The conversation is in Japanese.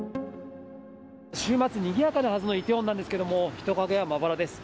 週末、にぎやかなはずのイテウォンなんですけれども、人影はまばらです。